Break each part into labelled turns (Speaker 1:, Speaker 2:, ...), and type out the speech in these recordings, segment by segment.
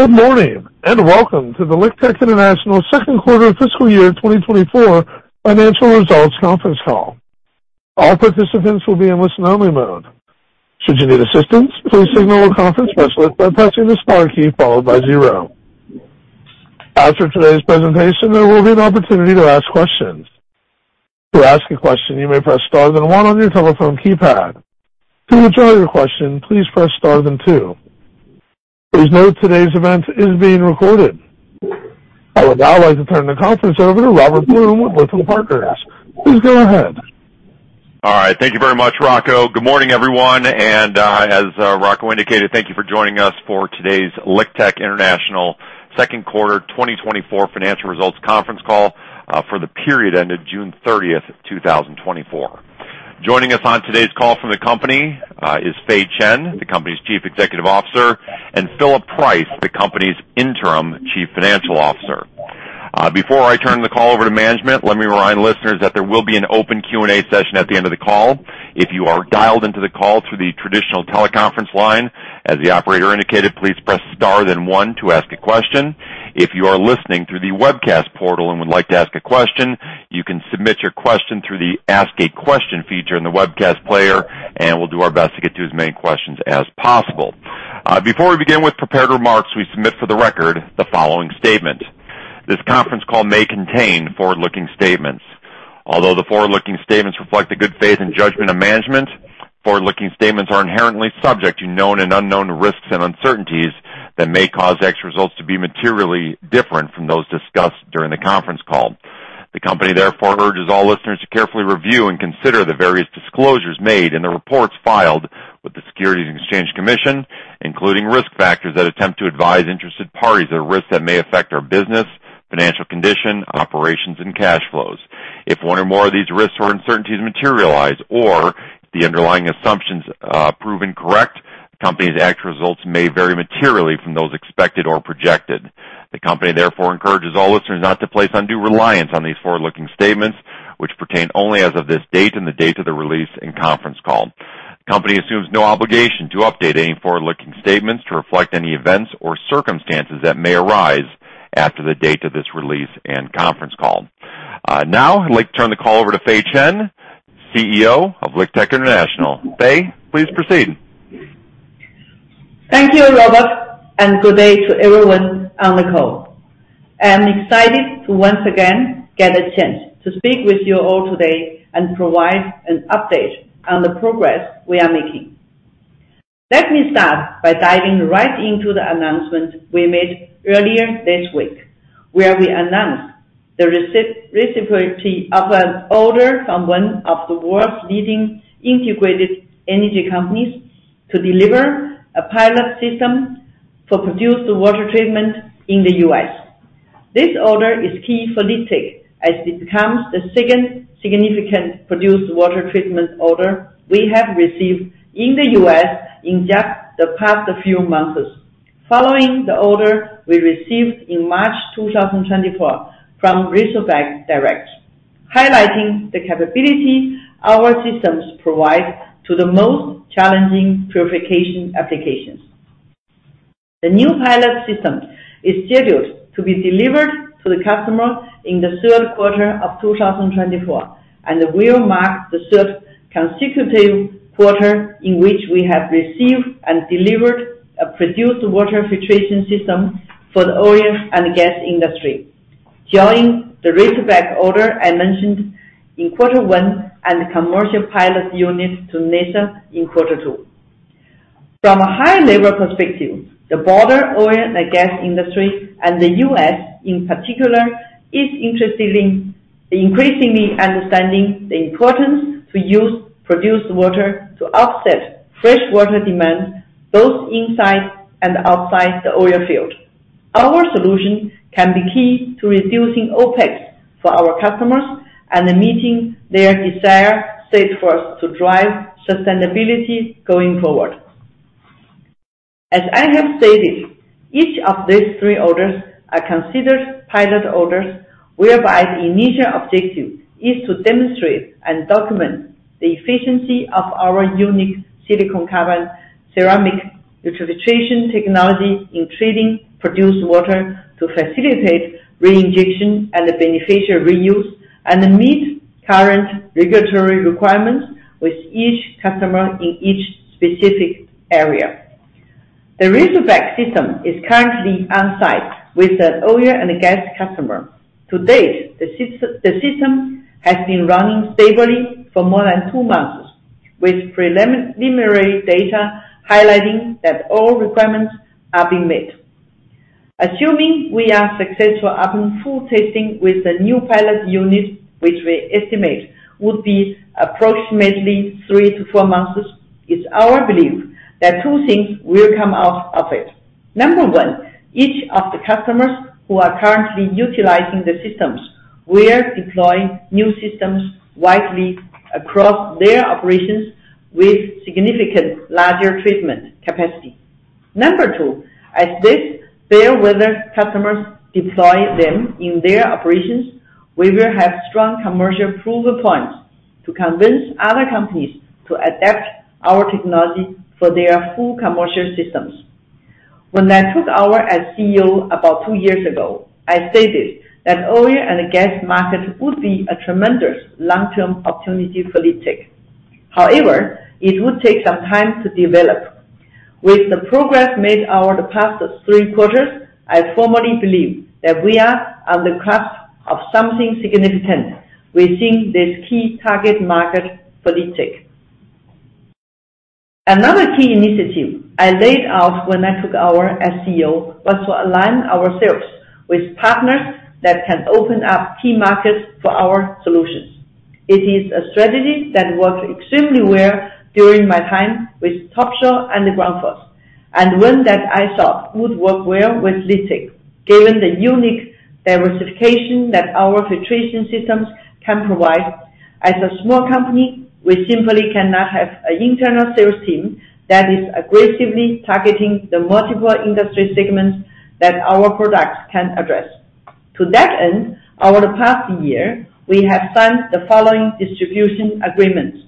Speaker 1: Good morning, and welcome to the LiqTech International second quarter fiscal year 2024 financial results conference call. All participants will be in listen-only mode. Should you need assistance, please signal a conference specialist by pressing the star key followed by zero. After today's presentation, there will be an opportunity to ask questions. To ask a question, you may press star then one on your telephone keypad. To withdraw your question, please press star then two. Please note, today's event is being recorded. I would now like to turn the conference over to Robert Blum with Lytham Partners. Please go ahead.
Speaker 2: All right, thank you very much, Rocco. Good morning, everyone, and, as, Rocco indicated, thank you for joining us for today's LiqTech International second quarter 2024 financial results conference call, for the period ended June 30th, 2024. Joining us on today's call from the company, is Fei Chen, the company's Chief Executive Officer, and Phillip Price, the company's Interim Chief Financial Officer. Before I turn the call over to management, let me remind listeners that there will be an open Q&A session at the end of the call. If you are dialed into the call through the traditional teleconference line, as the operator indicated, please press Star, then one to ask a question. If you are listening thrugh the webcast portal and would like to ask a question, you can submit your question through the Ask a Question feature in the webcast player, and we'll do our best to get to as many questions as possible. Before we begin with prepared remarks, we submit for the record the following statement. This conference call may contain forward-looking statements. Although the forward-looking statements reflect the good faith and judgment of management, forward-looking statements are inherently subject to known and unknown risks and uncertainties that may cause actual results to be materially different from those discussed during the conference call. The company therefore urges all listeners to carefully review and consider the various disclosures made in the reports filed with the Securities and Exchange Commission, including risk factors that attempt to advise interested parties of risks that may affect our business, financial condition, operations, and cash flows. If one or more of these risks or uncertainties materialize or the underlying assumptions prove incorrect, the company's actual results may vary materially from those expected or projected. The company therefore encourages all listeners not to place undue reliance on these forward-looking statements, which pertain only as of this date and the date of the release and conference call. The company assumes no obligation to update any forward-looking statements to reflect any events or circumstances that may arise after the date of this release and conference call. Now, I'd like to turn the call over to Fei Chen, CEO of LiqTech International. Fei, please proceed.
Speaker 3: Thank you, Robert, and good day to everyone on the call. I'm excited to once again get a chance to speak with you all today and provide an update on the progress we are making. Let me start by diving right into the announcement we made earlier this week, where we announced the receipt of an order from one of the world's leading integrated energy companies to deliver a pilot system for produced water treatment in the U.S. This order is key for LiqTech as it becomes the second significant produced water treatment order we have received in the U.S. in just the past few months. Following the order we received in March 2024 from Razorback Direct, highlighting the capability our systems provide to the most challenging purification applications. The new pilot system is scheduled to be delivered to the customer in the third quarter of 2024, and will mark the third consecutive quarter in which we have received and delivered a produced water filtration system for the oil and gas industry. Joining the Razorback order I mentioned in quarter one and commercial pilot units to NESR in quarter two. From a high-level perspective, the broader oil and gas industry, and the U.S. in particular, is interested in increasingly understanding the importance to use produced water to offset fresh water demand, both inside and outside the oil field. Our solution can be key to reducing OpEx for our customers and meeting their desire set forth to drive sustainability going forward. As I have stated, each of these three orders are considered pilot orders, whereby the initial objective is to demonstrate and document the efficiency of our unique silicon carbide ceramic ultrafiltration technology in treating produced water to facilitate reinjection and the beneficial reuse, and meet current regulatory requirements with each customer in each specific area. The Razorback system is currently on site with an oil and gas customer. To date, the system has been running stably for more than two months, with preliminary data highlighting that all requirements are being met. Assuming we are successful upon full testing with the new pilot unit, which we estimate would be approximately three to four months, it's our belief that two things will come out of it. Number one, each of the customers who are currently utilizing the systems will deploy new systems widely across their operations with significantly larger treatment capacity. Number two, as these fair-weather customers deploy them in their operations, we will have strong commercial proof points to convince other companies to adopt our technology for their full commercial systems. When I took over as CEO about two years ago, I stated that oil and gas market would be a tremendous long-term opportunity for LiqTech. However, it would take some time to develop. With the progress made over the past three quarters, I firmly believe that we are on the cusp of something significant within this key target market for LiqTech. Another key initiative I laid out when I took over as CEO was to align ourselves with partners that can open up key markets for our solutions. It is a strategy that worked extremely well during my time with Topsoe and Grundfos, and one that I thought would work well with LiqTech, given the unique diversification that our filtration systems can provide. As a small company, we simply cannot have an internal sales team that is aggressively targeting the multiple industry segments that our products can address. To that end, over the past year, we have signed the following distribution agreements.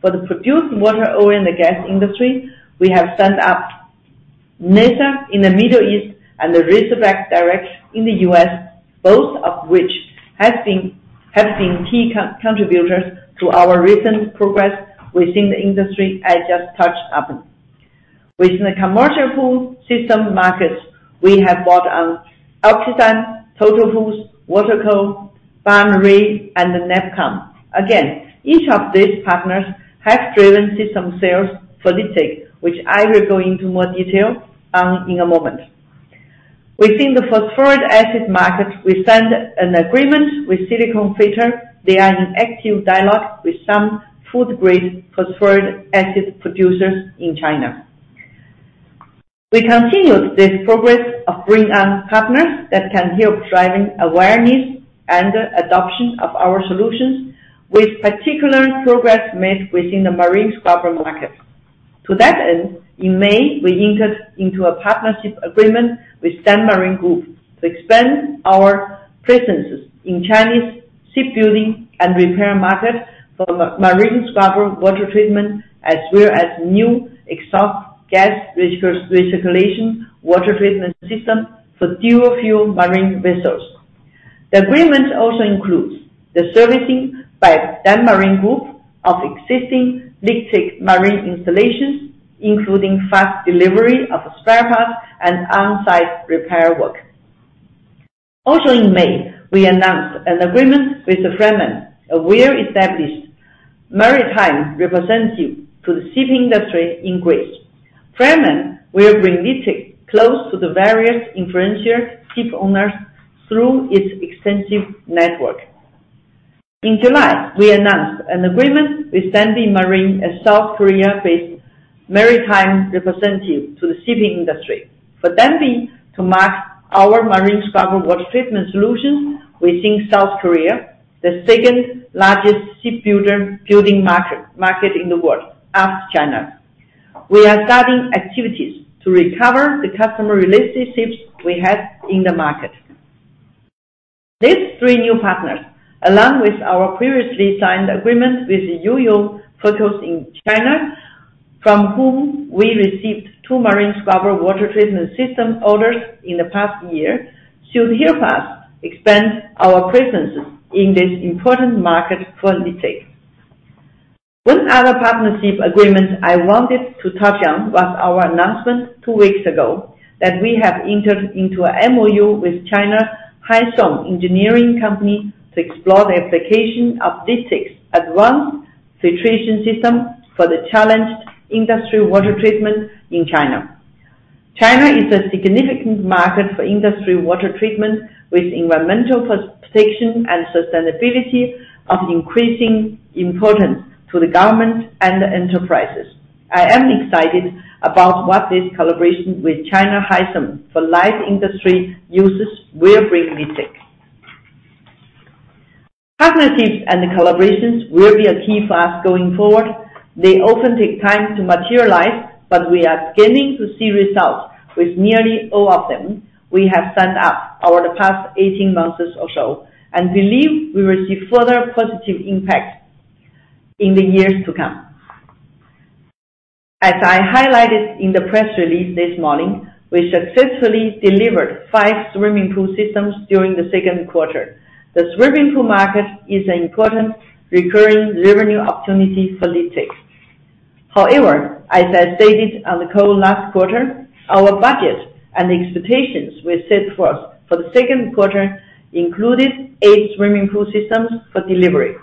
Speaker 3: For the produced water in the oil and gas industry, we have signed up NESR in the Middle East and Razorback Direct in the U.S., both of which have been key contributors to our recent progress within the industry I just touched upon. Within the commercial pool system markets, we have brought on Optiswim, Total Pool, Waterco, Barr + Wray, and Niveko. Again, each of these partners have driven system sales for LiqTech, which I will go into more detail in a moment. Within the phosphoric acid market, we signed an agreement with Silicon Future. They are in active dialogue with some food-grade phosphoric acid producers in China. We continued this progress of bringing on partners that can help driving awareness and adoption of our solutions, with particular progress made within the marine scrubber market. To that end, in May, we entered into a partnership agreement with Dan-Marine Group to expand our presences in Chinese shipbuilding and repair market for marine scrubber water treatment, as well as new exhaust gas recirculation water treatment system for dual fuel marine vessels. The agreement also includes the servicing by Dan-Marine Group of existing LiqTech marine installations, including fast delivery of spare parts and on-site repair work. Also in May, we announced an agreement with the Franman, a well-established maritime representative to the shipping industry in Greece. Franman will bring LiqTech close to the various influential ship owners through its extensive network. In July, we announced an agreement with Danbee Marine, a South Korea-based maritime representative to the shipping industry. For Danbee to market our marine scrubber water treatment solutions within South Korea, the second largest shipbuilding market in the world, after China. We are starting activities to recover the customer relationships we have in the market. These three new partners, along with our previously signed agreement with Shanghai Yuehe in China, from whom we received two marine scrubber water treatment system orders in the past year, should help us expand our presence in this important market for LiqTech. One other partnership agreement I wanted to touch on was our announcement two weeks ago that we have entered into an MOU with China Haisum Engineering Company to explore the application of LiqTech's advanced filtration system for the industrial water treatment in China. China is a significant market for industrial water treatment, with environmental protection and sustainability of increasing importance to the government and the enterprises. I am excited about what this collaboration with China Haisum for industrial uses will bring LiqTech. Partnerships and collaborations will be a key for us going forward. They often take time to materialize, but we are beginning to see results with nearly all of them we have signed up over the past 18 months or so, and believe we will see further positive impact in the years to come. As I highlighted in the press release this morning, we successfully delivered five swimming pool systems during the second quarter. The swimming pool market is an important recurring revenue opportunity for LiqTech. However, as I stated on the call last quarter, our budget and expectations were set for the second quarter included eight swimming pool systems for delivery.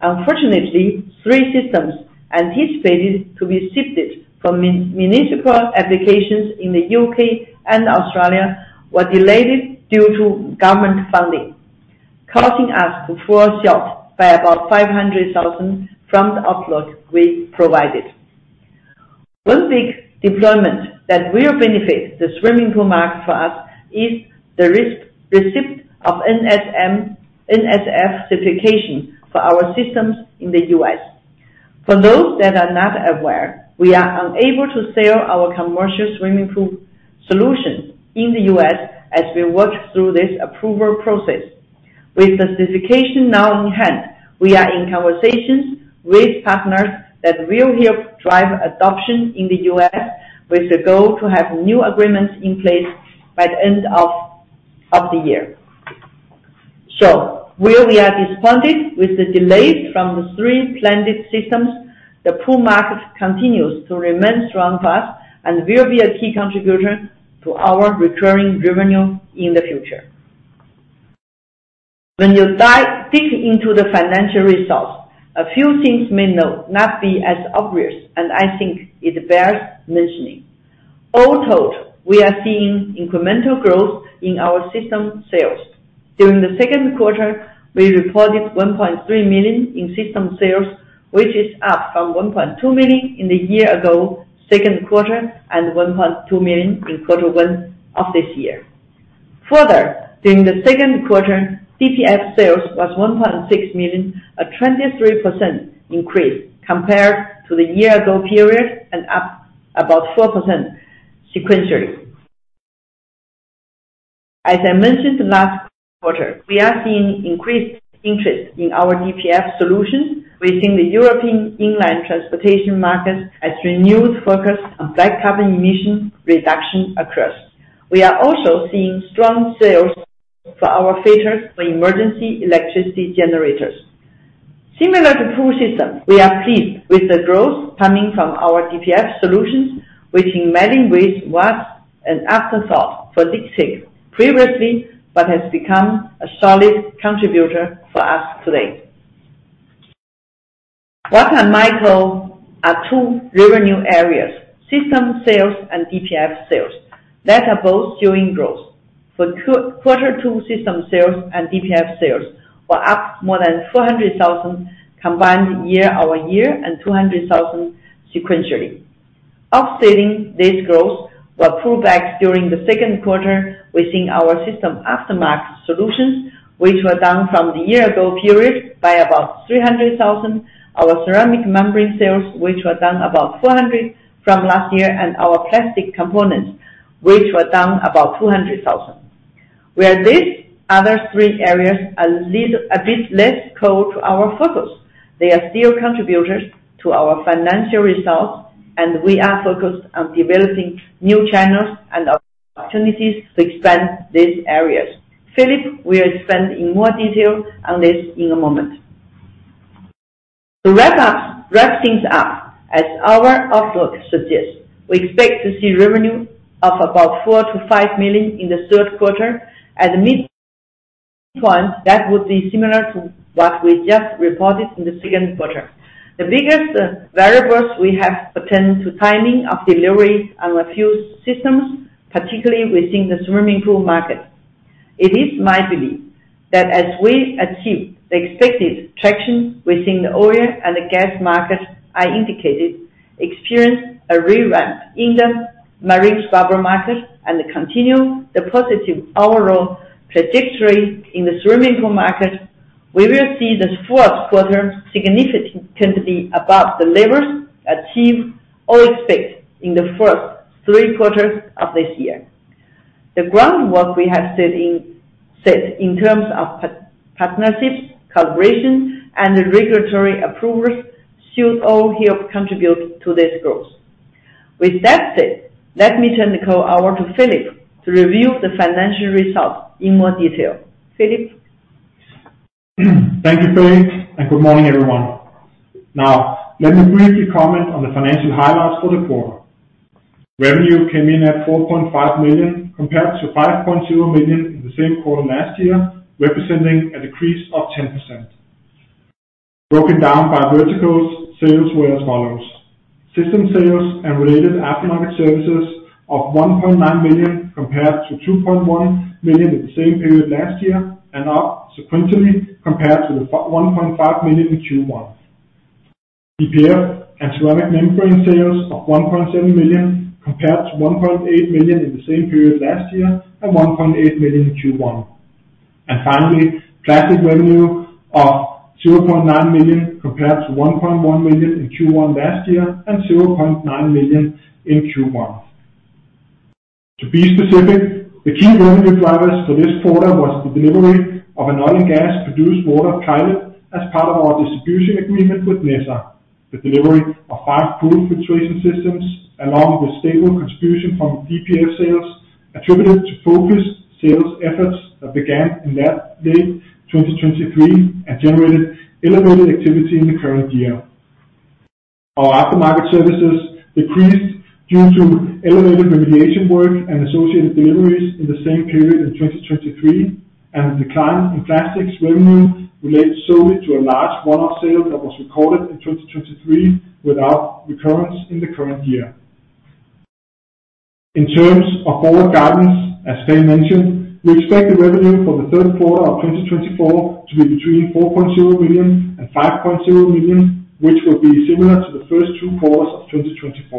Speaker 3: Unfortunately, three systems anticipated to be shipped for municipal applications in the U.K. and Australia were delayed due to government funding, causing us to fall short by about $500,000 from the outlook we provided. One big deployment that will benefit the swimming pool market for us is the receipt of NSF certification for our systems in the US. For those that are not aware, we are unable to sell our commercial swimming pool solution in the U.S. as we work through this approval process. With the certification now in hand, we are in conversations with partners that will help drive adoption in the U.S., with the goal to have new agreements in place by the end of the year. So while we are disappointed with the delays from the three planned systems, the pool market continues to remain strong for us and will be a key contributor to our recurring revenue in the future. When you dive deep into the financial results, a few things may not be as obvious, and I think it bears mentioning. All told, we are seeing incremental growth in our system sales. During the second quarter, we reported $1.3 million in system sales, which is up from $1.2 million in the year-ago second quarter, and $1.2 million in quarter one of this year. Further, during the second quarter, DPF sales was $1.6 million, a 23% increase compared to the year-ago period and up about 4% sequentially. As I mentioned last quarter, we are seeing increased interest in our DPF solutions within the European inland transportation market, as renewed focus on black carbon emission reduction occurs. We are also seeing strong sales for our filters for emergency electricity generators. Similar to pool system, we are pleased with the growth coming from our DPF solutions, which in many ways was an afterthought for LiqTech previously, but has become a solid contributor for us today. What I might call are two revenue areas, system sales and DPF sales, that are both showing growth. For Q2 system sales and DPF sales were up more than $400,000 combined year-over-year and $200,000 sequentially. Offsetting this growth were pullbacks during the second quarter within our system aftermarket solutions, which were down from the year ago period by about $300,000, our ceramic membrane sales, which were down about $400,000 from last year, and our plastic components, which were down about $200,000. Where these other three areas are a bit less core to our focus, they are still contributors to our financial results, and we are focused on developing new channels and opportunities to expand these areas. Philip will expand in more detail on this in a moment. To wrap things up, as our outlook suggests, we expect to see revenue of about $4 million-$5 million in the third quarter. At midpoint, that would be similar to what we just reported in the second quarter. The biggest variables we have pertain to timing of deliveries on a few systems, particularly within the swimming pool market. It is my belief that as we achieve the expected traction within the oil and gas market, we expect to experience a rerun in the marine scrubber market and continue the positive overall trajectory in the swimming pool market, we will see the fourth quarter significantly above the levels achieved or expected in the first three quarters of this year. The groundwork we have set in terms of partnerships, collaborations, and regulatory approvals should all help contribute to this growth. With that said, let me turn the call over to Philip to review the financial results in more detail. Philip?
Speaker 4: Thank you, Fei, and good morning, everyone. Now, let me briefly comment on the financial highlights for the quarter. Revenue came in at $4.5 million, compared to $5.0 million in the same quarter last year, representing a decrease of 10%. Broken down by verticals, sales were as follows: system sales and related aftermarket services of $1.9 million, compared to $2.1 million in the same period last year, and up sequentially compared to the one point five million in Q1. DPF and ceramic membrane sales of $1.7 million, compared to $1.8 million in the same period last year, and $1.8 million in Q1. And finally, plastic revenue of $0.9 million, compared to $1.1 million in Q1 last year, and $0.9 million in Q1. To be specific, the key revenue drivers for this quarter was the delivery of an oil and gas produced water pilot as part of our distribution agreement with NESR. The delivery of five pool filtration systems, along with stable contribution from DPF sales, attributed to focused sales efforts that began in late 2023 and generated elevated activity in the current year. Our aftermarket services decreased due to elevated remediation work and associated deliveries in the same period in 2023, and the decline in plastics revenue relates solely to a large one-off sale that was recorded in 2023, without recurrence in the current year. In terms of forward guidance, as Fei mentioned, we expect the revenue for the third quarter of 2024 to be between $4.0 million and $5.0 million, which will be similar to the first two quarters of 2024.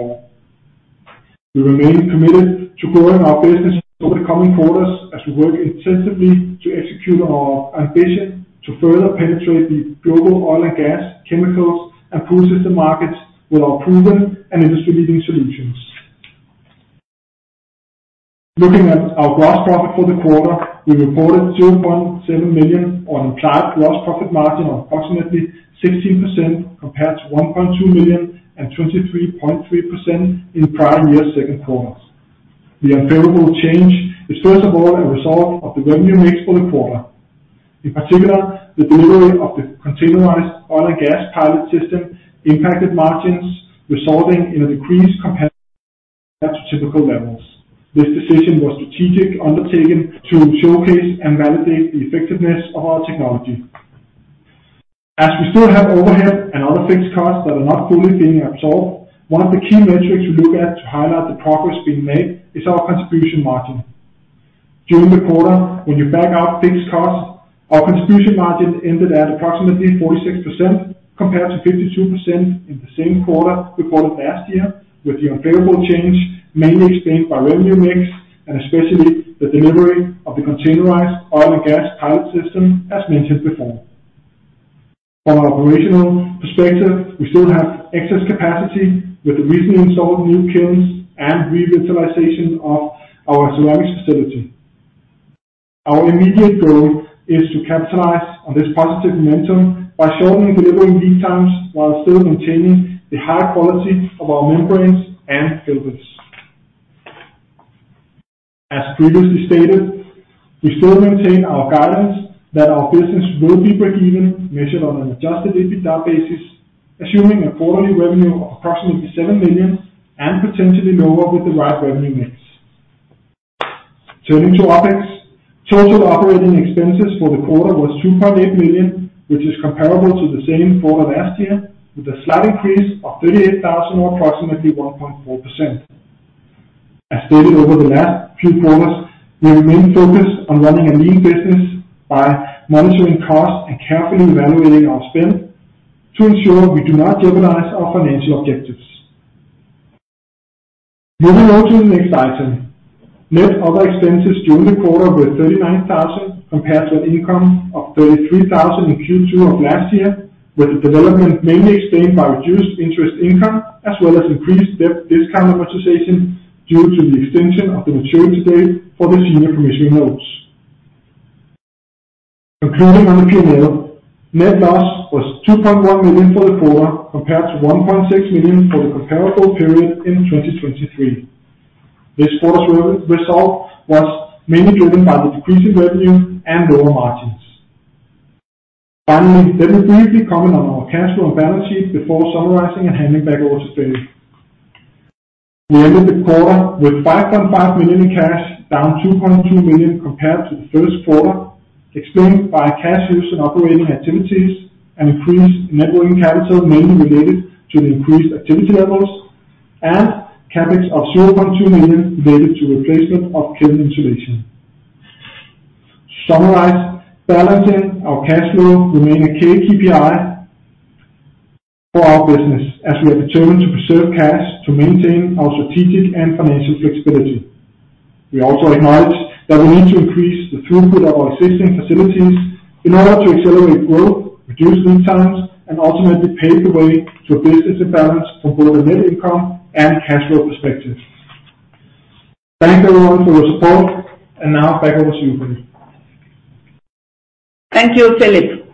Speaker 4: We remain committed to growing our business over the coming quarters as we work intensively to execute on our ambition to further penetrate the global oil and gas, chemicals, and food system markets with our proven and industry-leading solutions. Looking at our gross profit for the quarter, we reported $0.7 million on implied gross profit margin of approximately 16%, compared to $1.2 million and 23.3% in prior year's second quarters. The unfavorable change is first of all, a result of the revenue mix for the quarter. In particular, the delivery of the containerized oil and gas pilot system impacted margins, resulting in a decreased compared to typical levels This decision was strategic, undertaken to showcase and validate the effectiveness of our technology. As we still have overhead and other fixed costs that are not fully being absorbed, one of the key metrics we look at to highlight the progress being made is our contribution margin. During the quarter, when you back out fixed costs, our contribution margin ended at approximately 46%, compared to 52% in the same quarter reported last year, with the unfavorable change mainly explained by revenue mix and especially the delivery of the containerized oil and gas pilot system, as mentioned before. From an operational perspective, we still have excess capacity with the recently installed new kilns and revitalization of our ceramics facility. Our immediate goal is to capitalize on this positive momentum by shortening delivering lead times while still maintaining the high quality of our membranes and filters. As previously stated, we still maintain our guidance that our business will be break even, measured on an Adjusted EBITDA basis, assuming a quarterly revenue of approximately $7 million and potentially lower with the right revenue mix. Turning to OpEx, total operating expenses for the quarter was $2.8 million, which is comparable to the same quarter last year, with a slight increase of $38,000 or approximately 1.4%. As stated over the last few quarters, we remain focused on running a lean business by monitoring costs and carefully evaluating our spend to ensure we do not jeopardize our financial objectives. Moving on to the next item. Net other expenses during the quarter were $39,000, compared to an income of $33,000 in Q2 of last year, with the development mainly explained by reduced interest income, as well as increased debt discount amortization due to the extension of the maturity date for the senior commission notes. Concluding on the P&L, net loss was $2.1 million for the quarter, compared to $1.6 million for the comparable period in 2023. This quarter's result was mainly driven by the decrease in revenue and lower margins. Finally, let me briefly comment on our cash flow and balance sheet before summarizing and handing back over to Fei Chen. We ended the quarter with $5.5 million in cash, down $2.2 million compared to the first quarter, explained by cash use in operating activities and increased working capital, mainly related to the increased activity levels and CapEx of $0.2 million related to replacement of kiln insulation. To summarize, balancing our cash flow remain a key KPI for our business, as we are determined to preserve cash to maintain our strategic and financial flexibility. We also acknowledge that we need to increase the throughput of our existing facilities in order to accelerate growth, reduce lead times, and ultimately pave the way to business imbalance from both a net income and cash flow perspective. Thank you everyone for your support, and now back over to you, Fei Chen.
Speaker 3: Thank you, Philip.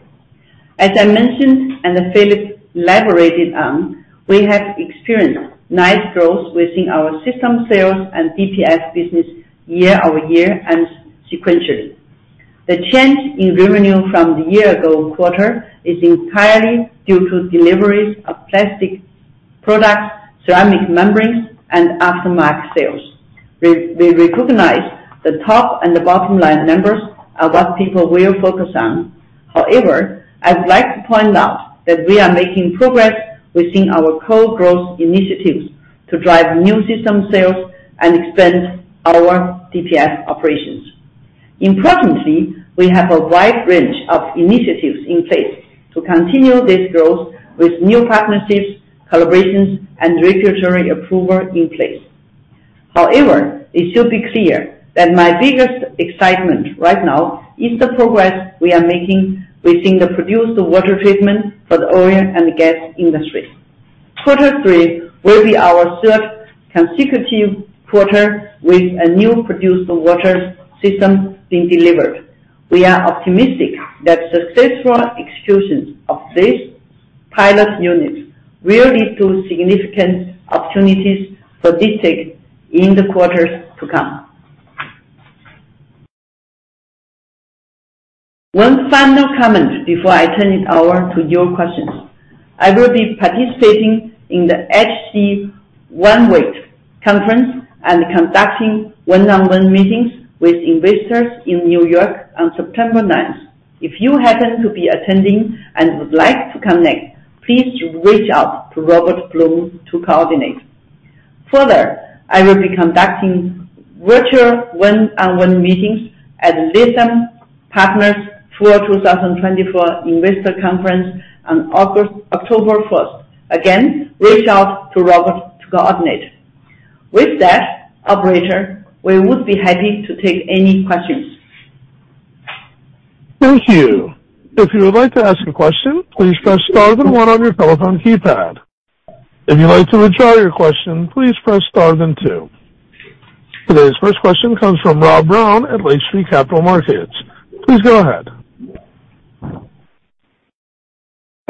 Speaker 3: As I mentioned, and as Philip elaborated on, we have experienced nice growth within our system sales and DPF business year over year and sequentially. The change in revenue from the year ago quarter is entirely due to deliveries of plastic products, ceramic membranes, and aftermarket sales. We recognize the top and the bottom line numbers are what people will focus on. However, I would like to point out that we are making progress within our core growth initiatives to drive new system sales and expand our DPF operations. Importantly, we have a wide range of initiatives in place to continue this growth with new partnerships, collaborations, and regulatory approval in place. However, it should be clear that my biggest excitement right now is the progress we are making within the produced water treatment for the oil and gas industry. Quarter three will be our third consecutive quarter with a new produced water system being delivered. We are optimistic that successful execution of these pilot units will lead to significant opportunities for LiqTech in the quarters to come. One final comment before I turn it over to your questions. I will be participating in the H.C. Wainwright Conference and conducting one-on-one meetings with investors in New York on September ninth. If you happen to be attending and would like to connect, please reach out to Robert Blum to coordinate. Further, I will be conducting virtual one-on-one meetings at Lytham Partners for our 2024 Investor Conference on August, October 1st. Again, reach out to Robert to coordinate. With that, operator, we would be happy to take any questions.
Speaker 1: Thank you. If you would like to ask a question, please press star then one on your telephone keypad. If you'd like to withdraw your question, please press star then two. Today's first question comes from Rob Brown at Lake Street Capital Markets. Please go ahead.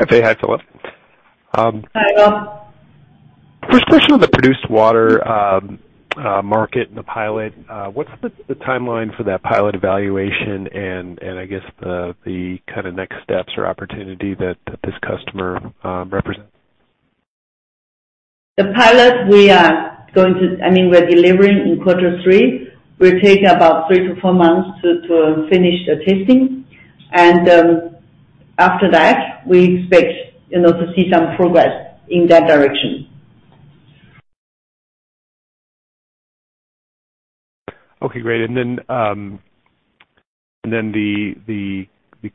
Speaker 5: Hi, Fei. Hi, Philip.
Speaker 3: Hi, Rob.
Speaker 5: First question on the produced water market and the pilot. What's the timeline for that pilot evaluation and I guess the kind of next steps or opportunity that this customer represent?
Speaker 3: The pilot, we are going to—I mean, we're delivering in quarter three. We're taking about three to four months to finish the testing. And after that, we expect, you know, to see some progress in that direction.
Speaker 5: Okay, great. And then the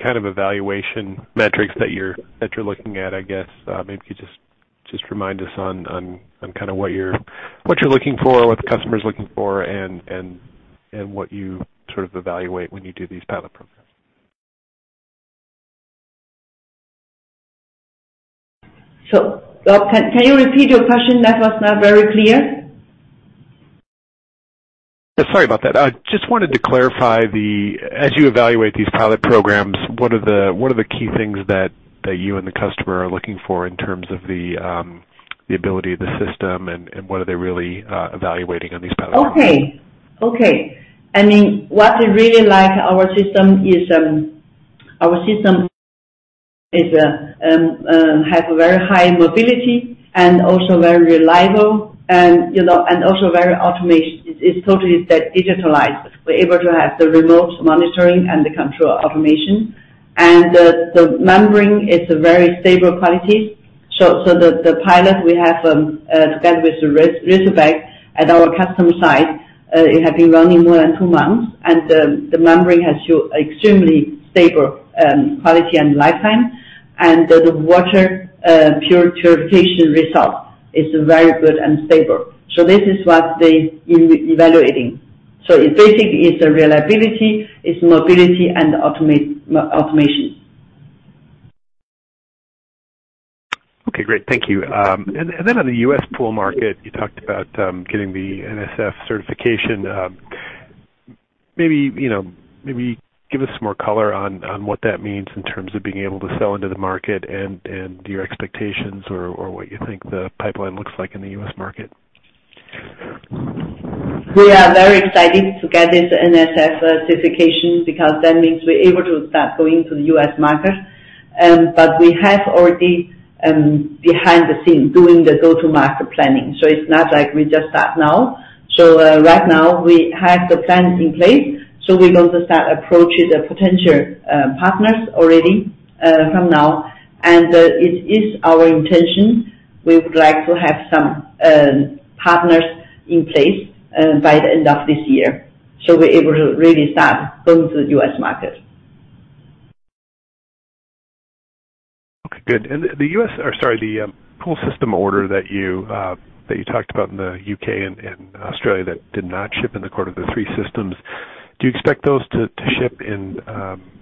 Speaker 5: kind of evaluation metrics that you're looking at, I guess, maybe you could just remind us on kind of what you're looking for, what the customer is looking for, and what you sort of evaluate when you do these pilot programs?
Speaker 3: So, Rob, can you repeat your question? That was not very clear.
Speaker 5: Sorry about that. I just wanted to clarify. As you evaluate these pilot programs, what are the key things that you and the customer are looking for in terms of the ability of the system, and what are they really evaluating on these pilot programs?
Speaker 3: Okay. Okay. I mean, what they really like our system is, our system is have a very high mobility and also very reliable, and, you know, and also very automation. It's totally digitalized. We're able to have the remote monitoring and the control automation, and the, the membrane is a very stable quality. So, so the, the pilot, we have, together with Razorback at our customer site, it have been running more than two months, and the, the membrane has showed extremely stable, quality and lifetime. And the water, pure purification result is very good and stable. So this is what they evaluating. So it basically is the reliability, it's mobility, and automation.
Speaker 5: Okay, great. Thank you. And then on the U.S. pool market, you talked about getting the NSF certification. Maybe, you know, maybe give us some more color on what that means in terms of being able to sell into the market and your expectations or what you think the pipeline looks like in the U.S. market.
Speaker 3: We are very excited to get this NSF certification, because that means we're able to start going to the U.S. market. But we have already, behind the scenes, doing the go-to-market planning, so it's not like we just start now. So, right now, we have the plans in place, so we're going to start approaching the potential partners already, from now. And, it is our intention, we would like to have some partners in place, by the end of this year, so we're able to really start going to the U.S. market.
Speaker 5: Okay, good. And the U.S., or sorry, the pool system order that you talked about in the U.K. and Australia that did not ship in the quarter, the three systems, do you expect those to ship in,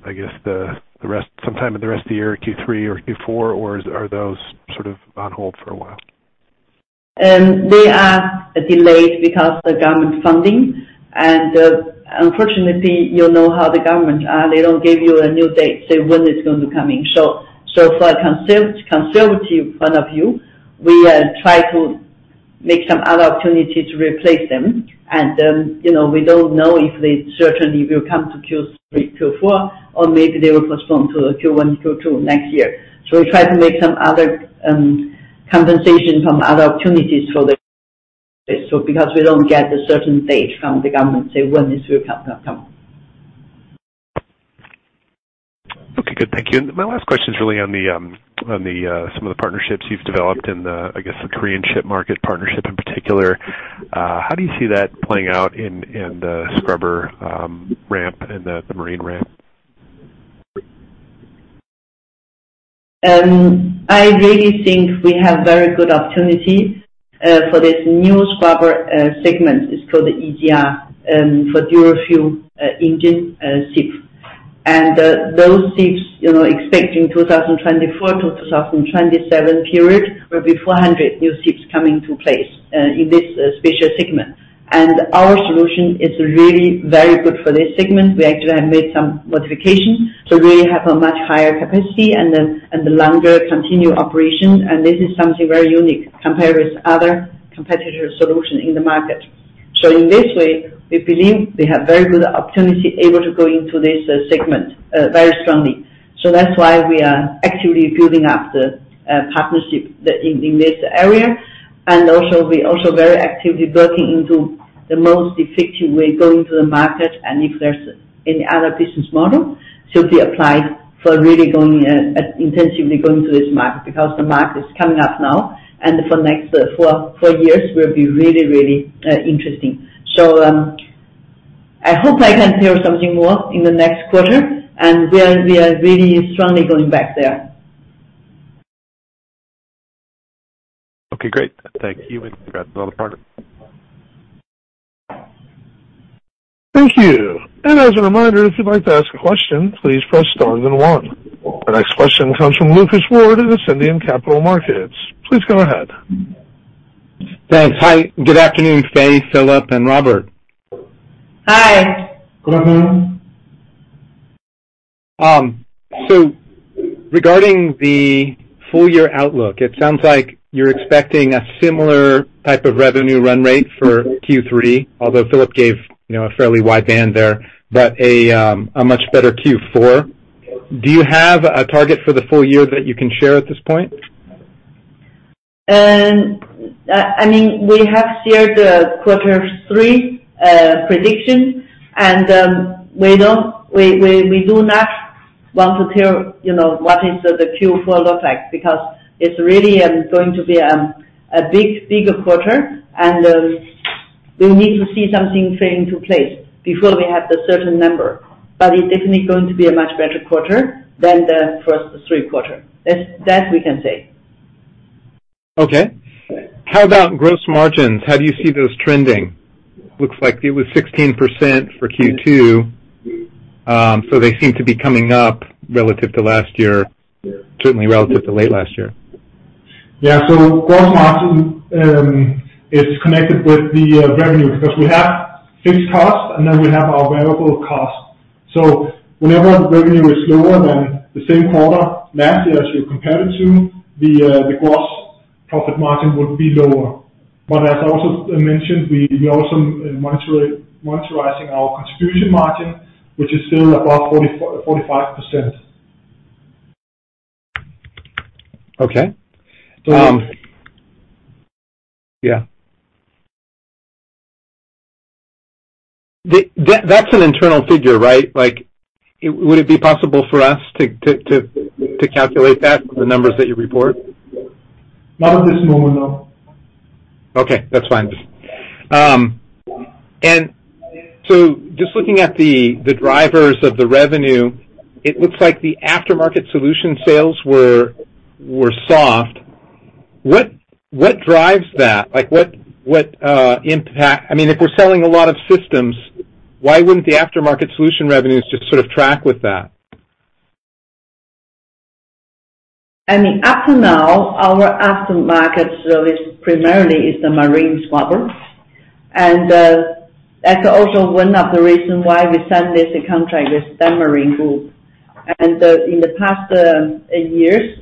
Speaker 5: I guess, the rest sometime in the rest of the year, Q3 or Q4, or are those sort of on hold for a while?
Speaker 3: They are delayed because the government funding, and unfortunately, you know how the government are, they don't give you a new date, say when it's going to be coming. So for a conservative point of view, we try to make some other opportunity to replace them. And you know, we don't know if they certainly will come to Q3, Q4, or maybe they will postpone to Q1, Q2 next year. So we try to make some other compensation from other opportunities for the... So because we don't get a certain date from the government, say when this will come, come.
Speaker 5: Okay, good. Thank you. And my last question is really on some of the partnerships you've developed in the, I guess, the Korean ship market partnership in particular. How do you see that playing out in the scrubber ramp and the marine ramp?
Speaker 3: I really think we have very good opportunity for this new scrubber segment. It's called the EGR for dual fuel engine ship. And those ships, you know, expecting 2024 to 2027 period, will be 400 new ships coming to place in this special segment. And our solution is really very good for this segment. We actually have made some modifications to really have a much higher capacity and the longer continued operations, and this is something very unique compared with other competitor solutions in the market. So in this way, we believe we have very good opportunity able to go into this segment very strongly. So that's why we are actively building up the partnership in this area. And also, we're also very actively working into the most effective way going to the market, and if there's any other business model to be applied for really going, intensively going to this market, because the market is coming up now, and for next, four, four years will be really, really, interesting. So, I hope I can tell you something more in the next quarter, and we are, we are really strongly going back there.
Speaker 5: Okay, great. Thank you, and congrats on the product.
Speaker 1: Thank you. As a reminder, if you'd like to ask a question, please press star then one. Our next question comes from Lucas Ward at Ascendiant Capital Markets. Please go ahead.
Speaker 6: Thanks. Hi, good afternoon, Fei, Philip, and Robert.
Speaker 3: Hi.
Speaker 4: Good afternoon.
Speaker 6: So regarding the full year outlook, it sounds like you're expecting a similar type of revenue run rate for Q3, although Philip gave, you know, a fairly wide band there, but a much better Q4. Do you have a target for the full year that you can share at this point?
Speaker 3: I mean, we have shared the quarter three prediction, and we do not want to tell, you know, what is the Q4 look like, because it's really going to be a big, bigger quarter, and we need to see something falling into place before we have the certain number. But it's definitely going to be a much better quarter than the first three quarter. That we can say.
Speaker 6: Okay. How about gross margins? How do you see those trending? Looks like it was 16% for Q2, so they seem to be coming up relative to last year, certainly relative to late last year.
Speaker 4: Yeah, so gross margin is connected with the revenue, because we have fixed costs, and then we have our variable costs. So whenever the revenue is lower than the same quarter last year, as you compare it to, the gross profit margin would be lower. But as I also mentioned, we also monitor our contribution margin, which is still above 45%.
Speaker 6: Okay. Yeah. That's an internal figure, right? Like, would it be possible for us to calculate that with the numbers that you report?
Speaker 4: Not at this moment, no.
Speaker 6: Okay, that's fine. And so just looking at the drivers of the revenue, it looks like the aftermarket solution sales were soft. What drives that? Like, what impact... I mean, if we're selling a lot of systems, why wouldn't the aftermarket solution revenues just sort of track with that?
Speaker 3: I mean, up to now, our aftermarket service primarily is the marine scrubber. And that's also one of the reason why we signed this contract with Dan-Marine Group. And in the past years,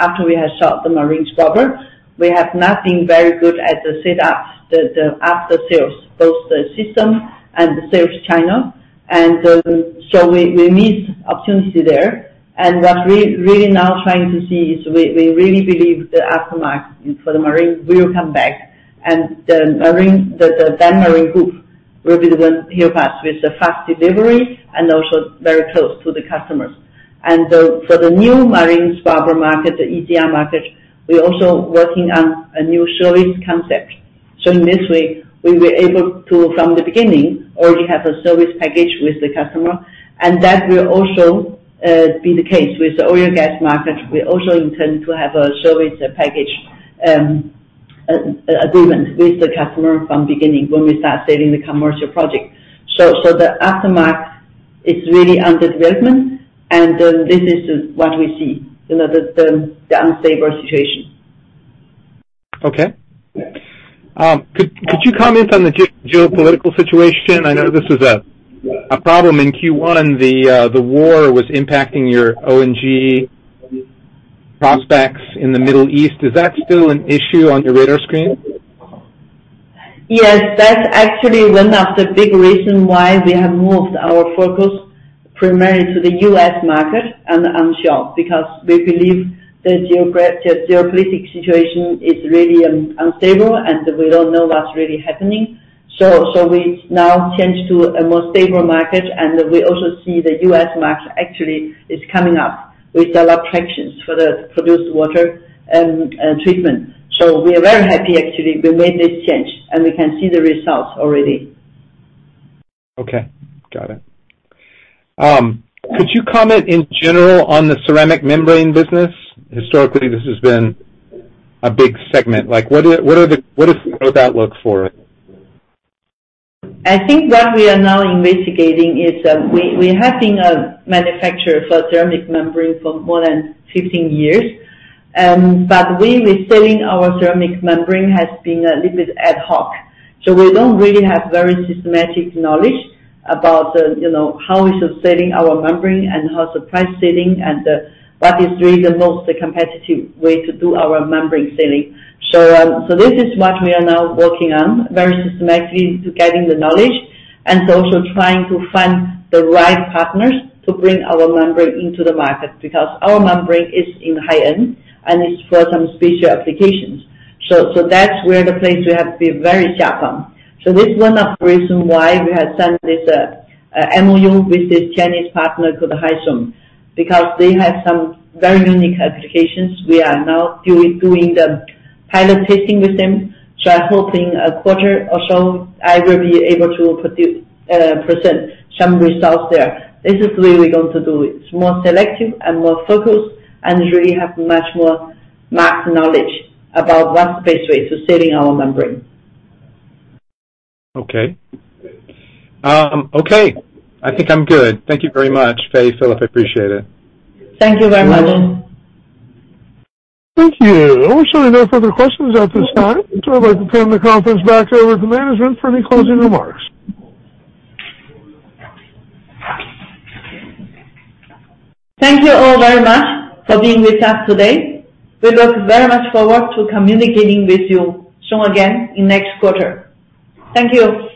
Speaker 3: after we have sold the marine scrubber, we have not been very good at the setup, the after-sales, both the system and the sales channel. And so we missed opportunity there. And what we're really now trying to see is we really believe the aftermarket for the marine will come back. And the marine, the Dan-Marine Group will be able to help us with the fast delivery and also very close to the customers. And so for the new marine scrubber market, the EGR market, we're also working on a new service concept. So in this way, we were able to, from the beginning, already have a service package with the customer, and that will also be the case with the oil and gas market. We also intend to have a service package agreement with the customer from beginning, when we start selling the commercial project. So the aftermarket is really under development, and this is what we see, you know, the unstable situation.
Speaker 6: Okay. Could you comment on the geopolitical situation? I know this is a problem in Q1. The war was impacting your O&G prospects in the Middle East. Is that still an issue on your radar screen?
Speaker 3: Yes, that's actually one of the big reason why we have moved our focus primarily to the U.S. market and onshore, because we believe the geopolitical situation is really unstable, and we don't know what's really happening. So we now change to a more stable market, and we also see the U.S. market actually is coming up with a lot of traction for the produced water and treatment. So we are very happy, actually, we made this change, and we can see the results already.
Speaker 6: Okay. Got it. Could you comment in general on the Ceramic Membrane business? Historically, this has been a big segment. Like, what are, what are the, what is the growth outlook for it?
Speaker 3: I think what we are now investigating is, we have been a manufacturer for ceramic membrane for more than 15 years. But we were selling our ceramic membrane has been a little bit ad hoc, so we don't really have very systematic knowledge about the, you know, how we should selling our membrane and how to price selling and, what is really the most competitive way to do our membrane selling. So, so this is what we are now working on, very systematically to getting the knowledge and also trying to find the right partners to bring our membrane into the market, because our membrane is in high-end, and it's for some special applications. So, so that's where the place we have to be very sharp on. So this is one of the reason why we have signed this MOU with this Chinese partner called the Haisum, because they have some very unique applications. We are now doing the pilot testing with them, so I'm hoping a quarter or so, I will be able to produce, present some results there. This is where we're going to do it, more selective and more focused and really have much more market knowledge about what's the best way to selling our membrane.
Speaker 6: Okay. Okay, I think I'm good. Thank you very much, Faye, Philip, I appreciate it.
Speaker 3: Thank you very much.
Speaker 1: Thank you. We surely have no further questions at this time. I'd like to turn the conference back over to management for any closing remarks.
Speaker 3: Thank you all very much for being with us today. We look very much forward to communicating with you soon again in next quarter. Thank you.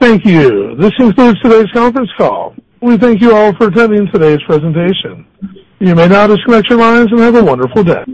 Speaker 1: Thank you. This concludes today's conference call. We thank you all for attending today's presentation. You may now disconnect your lines and have a wonderful day.